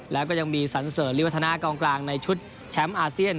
แล้วก็ยังมีสันเสริญริวัฒนากองกลางในชุดแชมป์อาเซียน